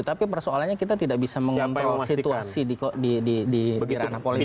tapi persoalannya kita tidak bisa mengontrol situasi di ranah politik